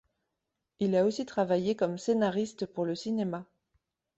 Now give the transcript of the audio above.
Il a aussi travaillé comme scénariste pour le cinéma.